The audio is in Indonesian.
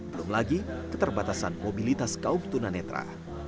belum lagi keterbatasan mobilitas kaum tunanetra